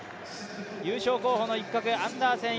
優勝候補の一角、アンダーセン